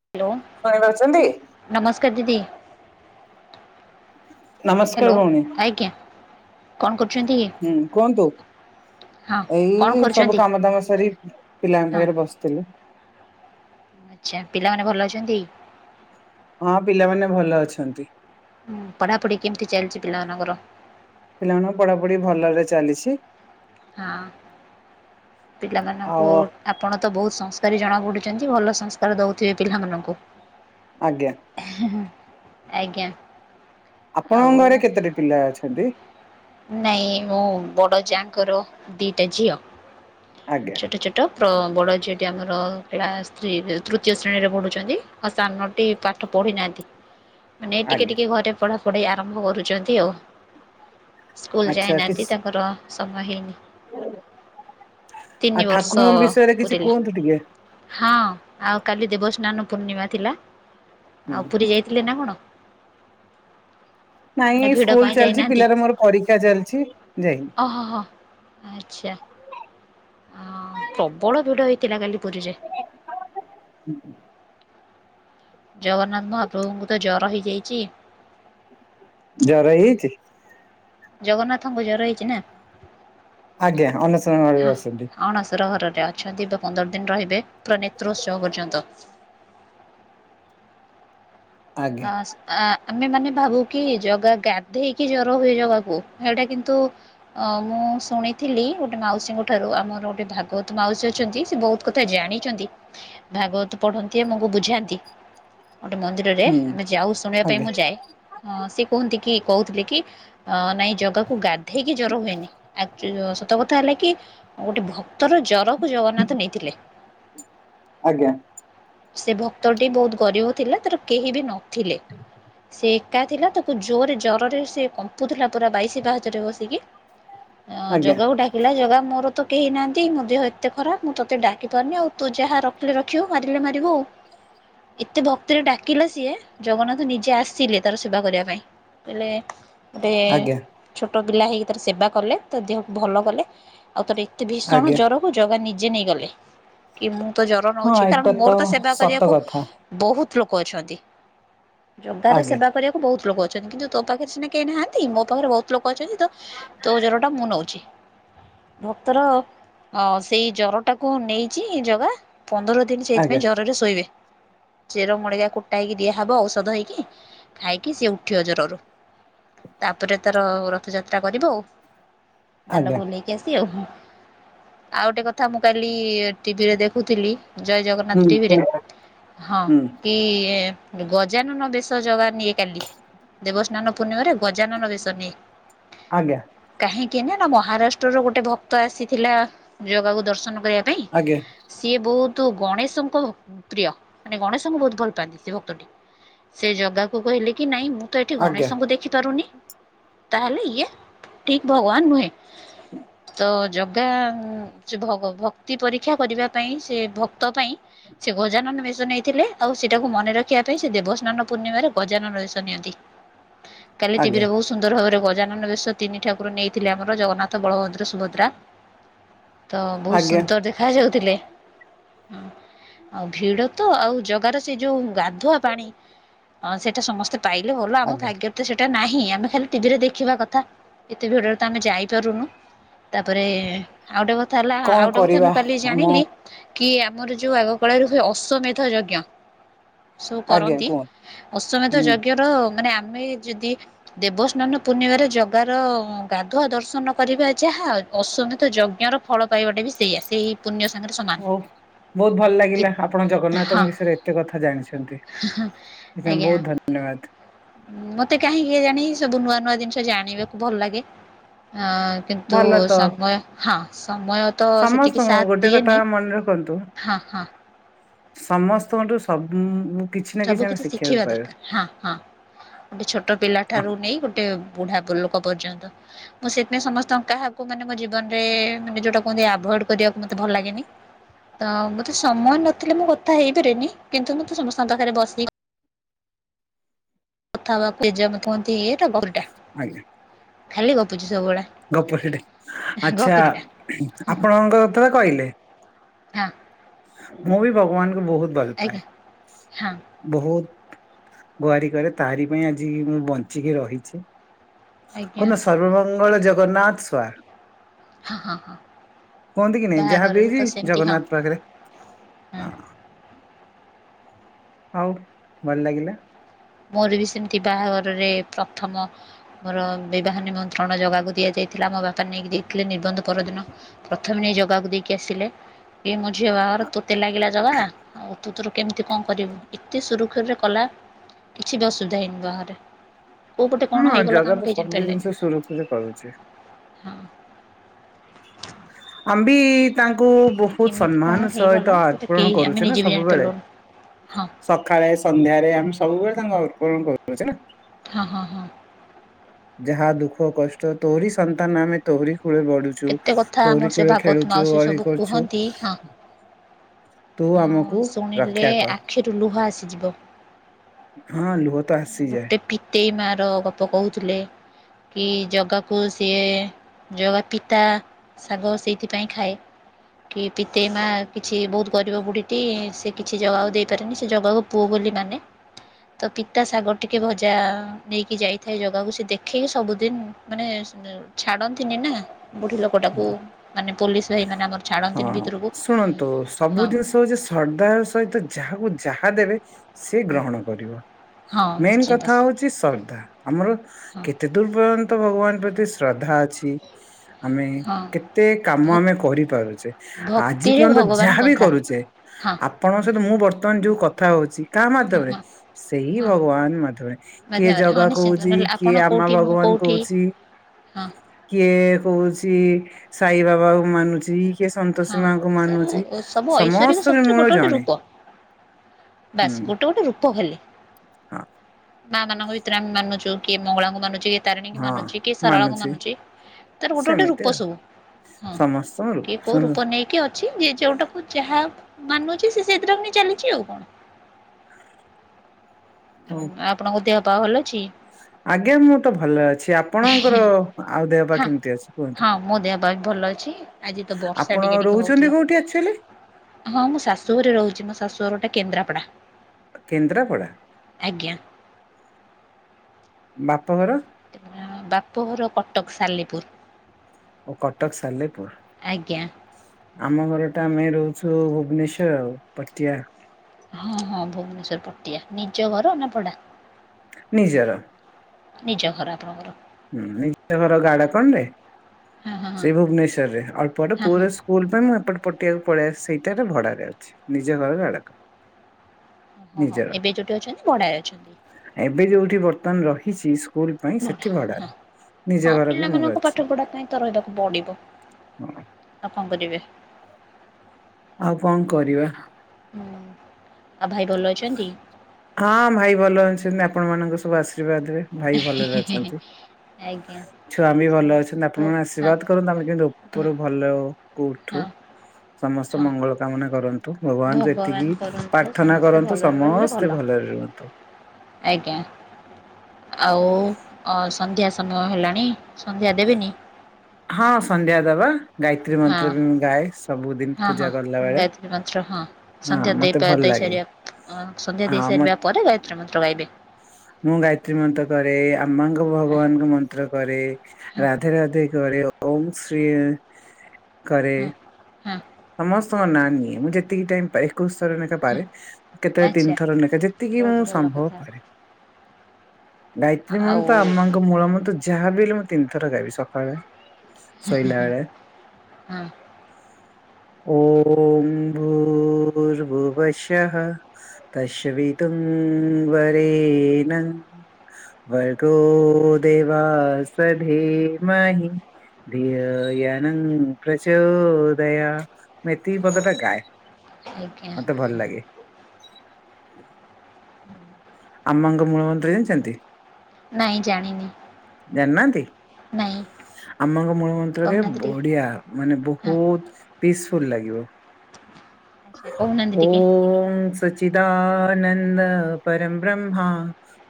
Hello ଶୁଣିପାରୁଛନ୍ତି ନମସ୍କାର ଦିଦି ହ୍ୟାଲୋ ନମସ୍କାର ଭଉଣୀ ଆଜ୍ଞା କଣ କରୁଛନ୍ତି? ହୁଁ କୁହନ୍ତୁ ହଁ କଣ ଏଇ ସବୁ କରୁଛନ୍ତି କାମ ଦାମ ସରି ପିଲାଙ୍କ ହଁ ପାଖରେ ବସିଥିଲି ଆଚ୍ଛା ପିଲାମାନେ ଭଲ ଅଛନ୍ତି। ହଁ ପିଲାମାନେ ଭଲ ଅଛନ୍ତି ହୁଁ ପଢାପଢି କେମିତି ଚାଲିଛି ପିଲାମାନଙ୍କର ପିଲାମାନେ ପଢାପଢି ଭଲରେ ଚାଲିଛି ହଁ ଆଉ ପିଲାମାନଙ୍କୁ ଆପଣ ତ ବହୁତ ସଂସ୍କାରୀ ଜଣାପଡ଼ୁଛନ୍ତି ଭଲ ସଂସ୍କାର ଦେଉଥିବେ ପିଲାମାନଙ୍କୁ ଆଜ୍ଞା ହଁ ହଁ ଆଜ୍ଞା ଆଉ ଆପଣଙ୍କ ଘରେ କେତୋଟି ପିଲା ଅଛନ୍ତି? ନାଇଁ ମୁଁ ବଡ ଯାଙ୍କର ଦିଟା ଝିଅ। ଆଜ୍ଞା। ଛୋଟ ଛୋଟ ବଡ଼ ଝିଅଟି ଆମର କ୍ରୀଳା ସ୍ତ୍ରୀରେ ତୃତୀୟ ଶ୍ରେଣୀରେ ପଢ଼ୁଛନ୍ତି। ହଁ ସାନଟି ପାଠ ପଢି ନାହାନ୍ତି। ମାନେ ଟିକେ ଆଜ୍ଞା ଟିକେ ଘରେ ପଢା ପଢେଇ ଆରମ୍ଭ କରୁଛନ୍ତି ଆଉ। ସ୍କୁଲ ଆଚ୍ଛା ଯାଇନାହାନ୍ତି କିଛି ତାଙ୍କର ସମୟ ହେଇନି ତିନି ଆଉ ବର୍ଷ ଠାକୁରଙ୍କ ବିଷୟରେ କିଛି ପୁରିଲା। କୁହନ୍ତୁ ଟିକେ? ହଁ ଆଉ କାଲି ଦେବସ୍ନାନ ପୂର୍ଣ୍ଣିମା ଥିଲା। ଆଉ ହୁଁ। ପୁରୀ ଯାଇଥିଲେ ନା କଣ? ନା ନାଇଁ ଭିଡ ସ୍କୁଲ ପାଇଁ ଚାଲିଛି ଯାଇନାହାନ୍ତି ପିଲାର ମୋର ପରୀକ୍ଷା ଚାଲିଛି ଯାଇନି। ଓ ହ। ଆଚ୍ଛା। ହଁ ପ୍ରବଳ ଭିଡ ହେଇଥିଲା କାଲି ପୁରୀରେ। [inaudible] ଜଗନ୍ନାଥ ମହାପ୍ରଭୁଙ୍କୁ ତ ଜର ହେଇଯାଇଛି। ଜର ହେଇଛି। ଜଗନ୍ନାଥଙ୍କୁ ଜର ହେଇଛି ନା? ଆଜ୍ଞା ଅନେଶୁତ [unintelligible] ହଁ ଅଣଶର ଘରରେ ଅଛନ୍ତି ତ ପନ୍ଦର ଦିନ ରହିବେ ପୁରା ନେତ୍ରୋଉସ୍ରଵ ପର୍ଯ୍ୟନ୍ତ। ଆଜ୍ଞା ଅା ଆ ଆମେ ମାନେ ଭାବୁ କି ଜଗା ଦେଇକି ଜର ହୁଏ ଜଗାକୁ ହେଇଟା କିନ୍ତୁ ଅା ମୁଁ ଶୁଣିଥିଲି ଗୋଟେ ମାଉସୀଙ୍କ ଠାରୁ ଆମର ଗୋଟେ ଭାଗବତ ମାଉସୀ ଅଛନ୍ତି ସେ ବହୁତ ଏକଥା ଜାଣିଛନ୍ତି ଭାଗବତ ପଢନ୍ତି ଆମକୁ ବୁଝାନ୍ତି ଗୋଟେ ମତେ ହୁଁ [unintelligible] ଯାଉ ଶୁଣ ପାଇଁ ଆଜ୍ଞା ମୁଁ ଯାଏ ସେ କୁହନ୍ତି କି କହୁଥିଲେ କି ନାଇ ଜାଗାକୁ ଗାଧେଇକି ଜର ହୁଏନି ଆଚଲେ ସତ କଥା ହେଲା କି ଗୋଟେ ଭକ୍ତର ଜର୍ ପ୍ରଭୁଜଗନ୍ନାଥ ନେଇଥିଲେ। ଆଜ୍ଞା ସେଇ ଭକ୍ତଟି ବହୁତୁ ଗରିବ ଥିଲା ତାର କେହି ବି ନଥିଲେ, ସେ ଏକା ଥିଲା ତାକୁ ଜୁରେ ଜରରେ ସେ କମ୍ପୁଥିଲା ପୁରା ବାଇଶି ପାହଚରେ ବସିକି। [unintelligible] ଆଜ୍ଞା ଜଗାକୁ ହେିଲା ଜାଗା ମୋର ତ କେହି ନାହାନ୍ତି ମୋ ଦେହ ଏତେ ଖରାପ ମୁଁ ତତି ଡାକି ପାରୁନି ଆଉ ତୁ ଯାହା ରଖ୍ ରଖିଲେ ରଖିବୁ ମାରିଲେ ମାରିବୁ ଆଉ ଏତେ ଭକ୍ତିରେ ଡାକିଲା ସିଏ ଜଗନ୍ନାଥ ନିଜେ ଆସିଲେ ତାର ସେବା କରିବା ପାଇଁ ହେଲେ ଗେଟେ ଆଜ୍ଞା ଛୋଟ ପିଲା ହେଇକି ତାର ସେବା କଲେ ତ ଦେହ ଭଲ କଲେ ଆଉ ତାର ଏତେ ଭୀଷଣ ଆଜ୍ଞା। ଜର ତାକୁ ଜଗା ନିଜେ ନେଇ ଗଲେ କି ମୁଁ ତ ଜର ହଁ ନଉଛି କାରଣ ଏଇଟା ମୋର ତ ସେବା ସତ କରିବାକୁ କଥା ବହୁତୁ ଲୋକ ଅଛନ୍ତି ଜଗାର ଆଜ୍ଞା ସେବା କରିବାକୁ ବହୁତୁ ଲୋକ ଅଛନ୍ତି। କିନ୍ତୁ ତୋ ପାଖରେ ସିନା କେହି ନାହାନ୍ତି ମୋ ପାଖରେ ବହୁତ ଲୋକ ଅଛନ୍ତି ତ ତୋ ଜ୍ର ଟା ମୁଁ ନେଉଛି। ଭକ୍ତର ସେଇ ଜର ଟାକୁ ନେଇଛି ଜଗା ପନ୍ଦର ସେଇଥିାଇଁ ଆଜ୍ଞା ପାଇଁ ଜରରେ ଶୋଇବେ ଚେର ମଳିକା କୁଟାଇକି ଦିଆହବ ଔଷଧ ହେଇକି ଖାଇକି ସିଏ ଉଠିବ ଜରରୁ। ତାପରେ ତାର ରଥଯାତ୍ରା କରିବ ଆଉ ଆଜ୍ଞା ଦାଣ୍ଡକୁ ନେଇେ ଏସି ଆଉ ଗୋଟେ କଥା ମୁଁ କାଲି ଟିଭିରେ ଦେଖୁଥିଲି ଜୟ ଜଗନ୍ନାଥ ହୁଁ ଟିଭିରେ କୁହନ୍ତୁ। ହଁ ହୁଁ କି ଗଜାନନ ବେଶ ଜାଗା ନିଏ କାଲି ଦେବସ୍ନାନ ପୂର୍ଣ୍ଣିମାରେ ଗଜାନନ ବେଶ ନିଏ ଆଜ୍ଞା କାହିଁକି ନା ମହାରାଷ୍ଟ୍ର ର ଗୋଟେ ଭକ୍ତ ଆସିଥିଲା ଜାଗାକୁ ଦର୍ଶନ କରିବା ପାଇଁ। ଆଜ୍ଞା। ସିଏ ବହୁତ ଗଣେଶଙ୍କ ପ୍ରିୟ ମାନେ ଗଣେଶଙ୍କୁ ବହୁତ ଭଲ ପାଆନ୍ତି ସିଏ ଭ ତ ସେ ଜଗାକୁ କହିଲେ କି ନାଇଁ ମୁଁ ତ ଏଠି ଆଜ୍ଞା ଗଣେଶଙ୍କୁ ଦେଖି ପାରୁନି। ତା ହେଲେ ଇଏ ଠିକ ଭଗବାନ ନୁହେଁ। ତ ଜଗା ସେ ଭ ଭ ଭକ୍ତି ପରୀକ୍ଷା କରିବା ପାଇଁ ସେ ଭକ୍ତ ପାଇଁ ସେ ଗଜାନନ ଵେସ ନେଇଥିଲେ ଆଉ ସେଟାକୁ ମନେ ର ଖିବା ପାଇଁ ସେ ଦେବସ୍ନାନ ପୂର୍ଣିମାରେ ଗଜାନନ ଵେଶ ନିଅନ୍ତି କାଲି ଆଜ୍ଞା ଟିଭିରେ ବହୁ ଶୁ ସୁନ୍ଦର ଭାବରେ ଗଜାନନ ବେଶ ତିନି ଠାକୁର ନେଇଥିଲେ ଆମର ଜଗନ୍ନାଥ ବଳଭଦ୍ର ସୁଭଦ୍ରା। ତ ବହୁ ଆଜ୍ଞା ସୁନ୍ଦର ରେ ଖା ଯାଉଥିଲେ ଆଉ ଭିଡ ତ ଆଉ ଜଗାର ସେ ଯୋଉ ଗାଧୁ ଧୁଆ ପାଣି ହଁ ସେଟା ସମସ୍ତେ ପାଇଲେ ଭଲ ଆମ ଆଜ୍ଞା। ଭାଗ୍ୟର ତ ସେ ସେଟା ନାହିଁ ଆମେ ଖାଲି ଟିଭିରେ ଦେଖିବା କଥା ଏତେ ଭିଡରେ ତ ଆମେ ଯାଇପାରୁନୁ। ତାପରେ ଆଉ ଗେଟେ କଥା ହେଲା କଣ ଆଉ ଗୋଟେ କଥା କରିବା ମୁଁ କାଲି ଆମ ଜାଣିଲି କିଏ ଆମର ଯୋଉ ଆଗ କଳରେ ହୁଏ ଅଶ୍ଵ ମେଧ ଯଜ୍ଞ ସୁ ଆଜ୍ଞା କରନ୍ତି କୁହନ୍ତୁ ଅଶ୍ଵମେଧ ହୁଁ ଯଜ୍ଞ ର ମାନେ ଆମେ ଯଦି ଦେବସ୍ନାନ ପୂର୍ଣ୍ଣିମାରେ ରେ ଜଗ ର ଗାଧୁଆ ଦର୍ଶନ କରିବା ଯାହା ଅସ୍ଵମେଧ ଯଜ୍ଞର ଫଳ ପାଇବା ଟା ବି ସେଇଆ ସେଇ ପୂନ୍ୟ ସାଙ୍ଗରେ ସମାନେ। ହଉ ବହୁତୁ ଭଲ ଲାଗିଲା ଆପଣ ହଁ ଜଗନ୍ନାଥଙ୍କ ବିଷୟରେ ଏତେ କଥା ଜାଣିଛନ୍ ନ୍ତି ସେଥିଇଁ ଆଜ୍ଞା ବହୁତ ଧନ୍ୟବାଦ। ମତେ କାହିଁ କେଜାଣି ସବୁ ନୂଆ ନୂଆ ଜିନିଷ ଜାଣିବାକୁ ଭଲ ଲାଗେ ଅଁ କିନ୍ତୁ ଭଲ ତ ସମୟ ହଁ ସମୟ ତ ସେତିକି ସମସ୍ତଙ୍କୁ ସାଥ ଗୋଟେ କଥା ଦିଏନି। ମନେ ରଖନ୍ତୁ ହଁ ହଁ ସମସ୍ତଙ୍କଠୁ ସଵ୍ ବୁ ସବୁ କିଛି ଶିଖେଇବା ଦରକାର ହଁ ହଁ ଗୋଟେ ଛୋଟ ପିଲା ଠାରୁ ନେଇ ଗୋଟେ ବୁଢା ପ ଲୋକ ପର୍ଯ୍ୟନ୍ତ। ମୁଁ ସେଥିଇଁ ସମସ୍ତଙ୍କ କାହାକୁ ମାନେ ମୋ ଜୀବନରେ ମାନେ ଯୋଉଟା କୁହନ୍ତି ଆଭଏଡ କରିବାକୁ ମତେ ଭଲ ଲାଗେନି। ତ ମତେ ସମୟ ନଥିଲେ ମୁଁ କଥା ହେଇପାରେନି କିନ୍ତୁ ମୁଁ ତ ସମସ୍ତଙ୍କ ପାଖରେ ବସିକି କଥା ବାପ ଏ ଯ କୁଅନ୍ତି ଇଏ ଗପୁରି ଟା ଖାଲି ଗପୁଛି ସବୁବେଳେ। ଗୋପୁରିଟେ ଆଚ୍ଛା ଗପୁରୀଟା ଆପଣଙ୍କ ତ କହିଲେ। ହଁ ମୁଁ ବି ଭଗବାନଙ୍କୁ ବହୁତ ଭଲ ପାଏ। ଆଜ୍ଞା ହଁ। ବହୁତ ଗୁହାରି କରେ ତାହାରି ପାଇଁ ଆଜି ମୁଁ ବଞ୍ଚିକି ରହିଛି। ଆଜ୍ଞା କୁହନ୍ ନା ସର୍ବମଙ୍ଗଳ ଜଗନ୍ନାଥ ସ୍ୱାମ୍ ହଁ ହଁ ହଁ କୁହନ୍ତି କି ନାଇଁ ଯାହା ବି ବାହାଘରରେ ତ ହେଇଛି ସେମିତି ହଁ ଜଗନ୍ନାଥ ପାଖରେ। ହଁ। ହଉ ଭଲ ଲାଗିଲା। ମୋର ବି ସେମିତି ବାହାଘରରେ ପ୍ରଥମ ମୋର ବିବାହ ନିମନ୍ତ୍ରଣ ଜଗାକୁ ଦିଆଯାଇଥିଲା ମୋ ବାପା ନେଇକି ଦେଇଥିଲେ ନିର୍ବନ୍ଧ ପରଦିନ। ପ୍ରଥମେ ନେଇ ଜଗାକୁ ଦେଇକି ଆସିଲେ ଏ ମ ଝିଅ ବାହାଘର ତୋତେ ଲାଗିଲା ଜଗା ଆଉ ତୁ ତୋର କେମିତି କଣ କରିବୁ ଏତେ ସୁରୁଖୁରୁରେ କଲା କିଛି ବି ଅସୁବିଧା ହେଇନି ବାହଘରେ କୋଉ ପଟେ କଣ ହଁ ହେଇଗଲା ଜଗା ତ କାମ କେହି ଜାଣି ସବୁ ଜିନିଷ ପାରିଲେନି। ସୁରୁଖୁରୁରେ କରୁଛି। ଆମ୍ ବି ତାଙ୍କୁ ମାନେ ବହୁତ କେମିତି କଣ ସମ୍ମାନ ହେଇଗଲା ସହିତ ସେଇଟା ଅର୍ପଣ କେହି ଆମେ କରୁଛି ନା ନିଜେ ବି ସବୁବେଳେ। ଜାଣିପାରିଲୁନୁ ହଁ ସକାଳେ ସନ୍ଧ୍ୟାରେ ଆମେ ସବୁବେଳେ ତାଙ୍କୁ ଅକଳଣ କରୁ ଚେ ନା। ହଁ ହଁ ହଁ। ଯାହା ଦୁଃଖ କଷ୍ଟ ତୋରି ସନ୍ତାନ ଆମେ ତୋରି କୂଳେ ବଢୁ ଚୁ କେତେ କଥା ଆମର ତୋଳି ସେ ଖେଳ ଭାଗବତ ଖେଳୁଛୁ ମାଉସୀ ଅଳି ସବୁ କରୁଛୁ। କୁହନ୍ତି ହଁ ତୁ ଆମକୁ ରକ୍ଷା କର। ତୁ ଲୁହ ଆସି ଯିବ। ହଁ ଲୁହ ତ ଆସିଯାଏ। ଗୋଟେ ପିତେଇ ମା ର ଗପ କହୁଥିଲେ। କି ଜଗାକୁ ସିଏ ଜଗା ପିତା ଶାଗ ସେଇଥିପାଇଁ ଖାଏ। କି ପିତେଇ ମା କିଛି ବହୁତ ଗରିବ ବୁଢ଼ୀଟି। ସେ କିଛି ଜଗାକୁ ଦେଇପାରେନି। ସେ ଜଗାକୁ ପୁଅ ବୋଲି ମାନେ ତ ପିିତା ସାଗ ଟିକେ ଭଜା ନେଇକି ଯାଇଥାଏ ଜଗାକୁ ସେ ଦେଖେଇକି ସବୁଦିନି ମାନେ ଉଁ ଛାଡନ୍ତିନି ନା ବୁଢୀ ଲୋକ ଲୋକଟାକୁ ମାନେ ପୋଲିସ ଭାଇ ମାନେ ଆମର ଛାଡ଼ନ୍ତିନି ହଁ ଭିତରକୁ ଶୁଣନ୍ତୁ ସବୁ ହଁ। ଜିନିଷ ହଉଛି ଶ୍ରଦ୍ଧାର ସହିତ ଯାହାକୁ ଯାହା ଦେବେ ସିଏ ଗ୍ରହଣ କରିବ ହଁ ମେନ୍ ନିଶ୍ଚିନ୍ତ କଥା ହଉଛି ଶ୍ରଦ୍ଧା। ଆମର ହଁ କେତେ ଦୂର ପର୍ଯ୍ୟନ୍ତ ଭଗବାନ ପ୍ରତି ଶ୍ରଦ୍ଧା ଅଛି। ଆମେ ହଁ କେତେ କାମ ଭ ଆମେ କରିପାରୁଚେ। ଆଜି ଭକ୍ତିରେ ପର୍ଯ୍ୟନ୍ତ ଭଗବାନ ଯାହାବି ବନ୍ଧା କରୁଛେ ହଁ ଆପ ଆପଣଙ୍କ ସହିତ ମୁଁ ବର୍ତ୍ତମାନ ଯୋଉ କଥା ହଉଛି କାହା ହଁ ମାଧ୍ୟମରେ ହଁ ସେଇ ହଁ ଭଗବାନ ମାଧ୍ୟମରେ। କିଏ ମାଧ୍ୟମରେ ହଁ ଜଗା ନିଶ୍ଚିନ୍ତ କହୁଛି। ନହେଲେ ଆପଣ କିଏ ଆମା କୋଉଠି ମୁଁ ଭଗବାନ୍ କୋଉଠି କହୁଛି। ହଁ କିଏ କହୁଛି ସାଇ ବାବା ମାନୁଛି। କିଏ ହଁ ସନ୍ତୋଷୀ ମାଙ୍କୁ ସବୁ ମାନୁଛି ସବୁ ଐଶ୍ୱରିକ ସମସ୍ତଙ୍କ ଶକ୍ତିର ମୂଳ ଗୋଟେ ଗୋଟେ ଜଣେ। ରୂପ ବାସ୍ ହୁଁ ଗୋଟେ ଗୋଟେ ରୂପ ଖାଲି। ହଁ ମା ମାନଙ୍କ ଭିତରେ ଆମେ ମାନୁଛୁ। କିଏ ମଙ୍ଗଳାଙ୍କୁ ମାନୁଛି ତାରିଣୀକି ହଁ ମାନୁଚି କି ଶାରଳାକୁ ମାନୁଛି। ମାନୁଚି ତାର ଗୋଟେ ଗୋଟେ ସେମିତି ରୂପ ଆଉ ସବୁ ହଁ। କିଏ [unintelligible] କୋଉ ରୂପ ନେଇକି ଅଛି ଯେ ଯେଉଁଟାକୁ ଯାହା ମାନୁଚି ସେ ସେଇ ଦି ଟାକୁ ନେଇ ଚାଲିଚି ଆଉ କଣ। ଆପଣଙ୍କ ଦେହ ପା ଭଲ ଅଛି? ଆଜ୍ଞା ମୁଁ ତ ଭଲରେ ଅଛି। ଆପଣଙ୍କର ଆଉ ଦେହ ପା ହଁ କେମିତି ଅଛି କୁହନ୍ତୁ? ହଁ ମୋ ଦେହ ପା ବି ଭଲ ଅଛି। ଆଜି ତ ବର୍ଷା ଆପଣ ଟିକେ ଟିକେ ରହୁଛନ୍ତି ହୋଉଥିଲା। କୋଉଠି ଆକ୍ଚୁଆଲି ହଁ ମୁଁ ଶାଶୁଘରେ ରହୁଛି। ମୋ ଶାଶୁଘର ଟା କେନ୍ଦ୍ରାପଡ଼ା। କେନ୍ଦ୍ରାପଡ଼ା? ଆଜ୍ଞା। ବାପଘର? [unintelligible] ବାପଘର କଟକ ସାଲେପୁର। ଓ କଟକ ସାଲେପୁର। ଆଜ୍ଞା। ଆମ ଘରଟା ଆମେ ରହୁଛୁ ଭୁବନେଶ୍ଵର ଆଉ ପଟିଆ। ହଁ ହଁ ଭୁବନେଶ୍ଵର ପଟିଆ। ନିଜ ଘର ନା ଭଡ଼ା? ନିଜର। ନିଜ ଘର ଆପଣଙ୍କର? ହୁଁ ନିଜ ଘର ଗାଡା କଣ ରେ ହଁ ହଁ ହଁ ସେଇ ଭୁବନେଶ୍ଵର ରେ ଅଳ୍ପବାଟ ହଁ ହଁ। ପୁରା ସ ସ୍କୁଲ ପାଇଁ ମୁଁ ଏପଟେ ପଟିଆ କୁ ପଳେଇ ଆସ୍ ସେଇଟାରେ ଭଡାରେ ଅଛି ନିଜ ଘର ଭଡାକୁ। ଓହୋ ହୋ ଏବେ ଯୋଉଠି ଅଛନ୍ତି ଭଡାରେ ଅଛନ୍ତି? ଏବେ ଯୋଉଠି ବର୍ତ୍ତମାନ ରହିଛି ସ୍କୁଲ ପାଇଁ ସେ ହଁ ଭଡ଼ା ହଁ ପିଲାମାନଙ୍କ ଅଛି ପାଠ ପଢା ପାଇଁ ତ ରହିବାକୁ ପଡିବ। ହଁ। ଆଉ କଣ କରିବେ? ଆଉ କଣ କରିବା। ହୁଁ ଆଉ ଭାଇ ଭଲ ଅଛନ୍ତି? ହଁ ଭାଇ ଭଲ ଅଛନ୍ତି ଆପଣ ମାନଙ୍କ ସବୁ ଆଶୀର୍ବାଦ ରେ ଭାଇ ଭଲରେ ଅଛନ୍ତି। ଆଜ୍ଞା। ଛୁଆ ବି ଭଲ ଅଛନ୍ତି ସମସ୍ତଙ୍କ ଆପଣମାନେ ହଁ। ଆଶୀର୍ବାଦ କରନ୍ତୁ ଆମେ କିମଟି ଉପରୁ ଭ- ଭଲ କୁ ହଁ ଉଠୁ। ସମସ୍ତେ ହଁ ମଙ୍ଗଳ କାମନା କରନ୍ତୁ ଭଗବାନଙ୍କୁ ଭଗବାନ ଏତିକି ପାର। କରନ୍ତୁ ପ୍ରାର୍ଥନା ସମସ୍ତେ କରନ୍ତୁ। ଭଲରେ ରହିଲେ ଭଲ ସମସ୍ତେ ଭଲରେ ରୁହନ୍ତୁ। ଆଜ୍ଞା। ଆଉ ଅ ସନ୍ଧ୍ୟା ସମୟ ହେଲାଣି। ସନ୍ଧ୍ୟା ଦେବେନି? ହଁ ସନ୍ଧ୍ୟା ଦେବା। ଗାୟତ୍ରୀ ହଁ ମନ୍ତ୍ର ବି ମୁଁ ଗାଏ ସବୁଦିନ ହଁ ପୂଜା ହଁ କଲା ବେଳେ। ଗାୟତ୍ରୀ ମନ୍ତ୍ର ହଁ ମତେ ଭଲ ଲାଗେ। ହଁ ସନ୍ଧ୍ୟା ହଁ ଦେଇ ମ ସାରିବା ପରେ ଗାୟତ୍ରୀ ମନ୍ତ୍ର ଗାଇବେ। ମୁଁ ଗାୟତ୍ରୀ ମନ୍ତ୍ର କରେ। ଆମ୍ମାଙ୍କ ହଁ ଭଗବାନଙ୍କ ମନ୍ତ୍ର କରେ। ହଁ ରାଧେ ରାଧେ କରେ। ଓଁ ଶ୍ରୀ କରେ। ହଁ ହଁ। ସମସ୍ତଙ୍କ ନାଁ ନିଏ ମୁଁ ଯେତିକି ଟାଇମ୍ ପାଇ। ଏକୋଇଶ ଥର ଲେଖା ବାରେ କେତେବେଳେ ଆଚ୍ଛା ତିନି ଥର ଲେଖା ଯେତିକି ବହୁତ ମୁଁ ଭଲ ସମ୍ଭବ କଥା କରେ। ଗାୟତ୍ରୀ ଆଉ ମନ୍ତ୍ର ଆମ୍ମାଙ୍କ ମୂଳ ମନ୍ତ୍ର ଯାହାବି ହେଲେ ମୁଁ ତିନି ଥର ଗାଇବି ସଖାଳେ। ହଁ ହଁ ହଁ ହଁ। ଓଁ ଭୁର୍ ଭୂବଶଃ। ତସେବିତଙ୍ଗ ବରେନଂ। ଭର୍ଗୋ ଦେବା ସଧି ମହି। ଧିଓୟୋନାଙ୍ଗ ପ୍ରଚୋଦୟା। ମୁଁ ଏତିକି ପଦ ଟା ଗାଏ। ଆଜ୍ଞା। ମତେ ଭଲ ଲାଗେ ଆମ୍ମାଙ୍କ ମୂଳ ମନ୍ତ୍ର ଜାଣିଚନ୍ତି? ନାଇଁ ଜାଣିନି। ଜାଣିନାହାନ୍ତି ନାଇଁ ଆମଙ୍କ ମୂଳ ମନ୍ତ୍ରରେ କହୁନାହାନ୍ତି ଟିକେ ବଢିଆ। ମାନେ ହଁ ବହୁତ ପିସଫୁଲ୍ ଲାଗିବ। ଆଚ୍ଛା କହୁନାହାନ୍ତି ଟିକେ ଓମ୍ ସଚ୍ଚିଦାନନ୍ଦ ପରମ୍ ବ୍ରହ୍ମା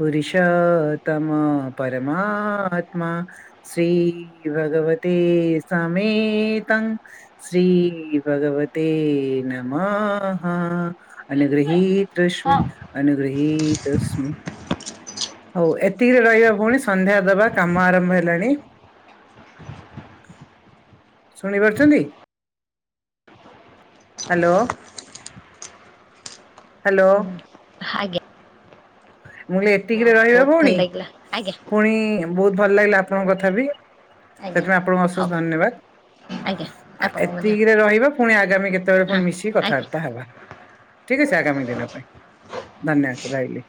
ପୁରୁଷତମ ପରମାତ୍ମା। ଶ୍ରୀ ଭଗବତେ ସମେତମ୍ ଶ୍ରୀ ଭଗବତେ ନମଃ। ଅନୁଗୃହୀତସ୍ମ ହଁ ଅନୁଗୃହୀତସ୍ମ। ହଉ ଏତିକିରେ ରହିବା ଭୋଣୀ ସନ୍ଧ୍ୟା ଦବା କାମ ଆରମ୍ଭ ହେଲାଣି। ଶୁଣିପାରୁଚନ୍ତି? ହାଲୋ। ହାଲୋ। ହାଜ୍ଞା ମୁଁ କୀଲି ଏତିକିରେ ରହିବା ଭଲ ଭଉଣୀ ଲାଗିଲା ଆଜ୍ଞା ପୁଣି ବହୁତ ଭଲ ଲାଗିଲା ଆପଣଙ୍କ କଥା ବି ଆଜ୍ଞା ସେଥିପାଇଁ ଆପଣଙ୍କୁ ହଉ ଅଶେଷ ଧନ୍ୟବାଦ। ଆଜ୍ଞା। ଆ ଆପଣଙ୍କୁ ମଧ୍ୟ ଏତିକିରେ ରହିବା ପୁଣି ଆଗାମୀ କେତେବେଳେ ହଁ ପୁଣି ମିଶିକି ଆଜ୍ଞା କଥାବାର୍ତ୍ତା ହବା। ଠିକ୍ ଅଛି ଆଗାମୀ ଦିନ ପାଇଁ ଧନ୍ୟବାଦ ରହିଲି।